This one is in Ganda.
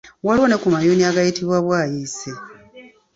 Waliwo ne ku mayuuni agayitibwa Bwayiise.